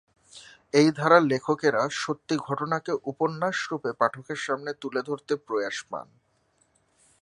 এই ধারার লেখকেরা সত্যি ঘটনাকে উপন্যাস রূপে পাঠকের সামনে তুলে ধরতে প্রয়াস পান।